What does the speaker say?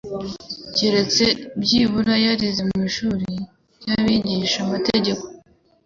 keretse byibura yarize mu ishuri ry'abigishamategeko;